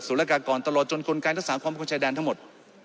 ศูนย์รักษากรตลอดจนกลงการรักษาความมั่นคงชายแดนทั้งหมด